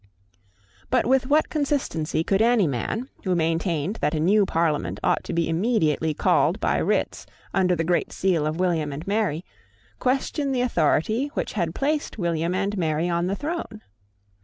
But with what consistency could any man, who maintained that a new Parliament ought to be immediately called by writs under the great seal of William and Mary, question the authority which had placed William and Mary on the throne?